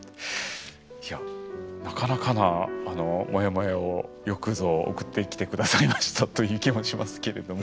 いやなかなかなあのモヤモヤをよくぞ送ってきて下さいましたという気もしますけれども。ね。